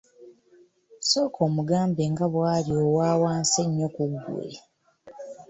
Sooka omugambe nga bwali owa wansi ennyo ku ggwe.